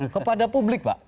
kepada publik pak